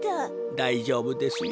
だいじょうぶですよ。